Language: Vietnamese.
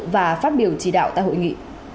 và phát biểu chỉ đạo tại hội nghị